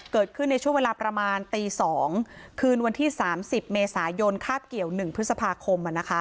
เกิดขึ้นในช่วงเวลาประมาณตีสองคืนวันที่สามสิบเมษายนคาดเกี่ยวหนึ่งพฤษภาคม